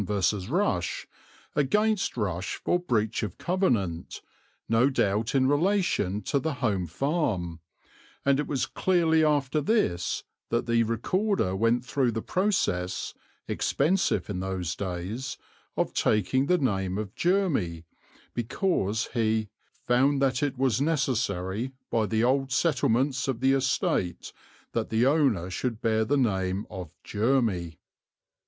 _ Rush) against Rush for breach of covenant, no doubt in relation to the Home Farm, and it was clearly after this that the Recorder went through the process, expensive in those days, of taking the name of Jermy because he "found that it was necessary by the old settlements of the estate that the owner should bear the name of Jermy."